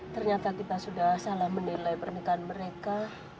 ternyata kita sudah salah menilai pernikahan mereka